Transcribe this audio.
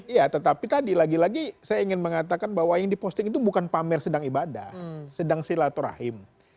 iya tetapi tadi lagi lagi saya ingin mengatakan bahwa yang diposting itu bukan pamer sedang ibadah sedang silaturahim